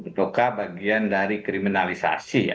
itukah bagian dari kriminalisasi ya